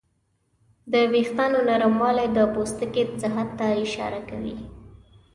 د وېښتیانو نرموالی د پوستکي صحت ته اشاره کوي.